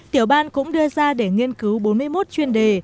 tiểu ban cũng đưa ra để nghiên cứu bốn mươi một chuyên đề